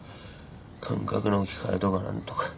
感覚の置き換えとか何とか。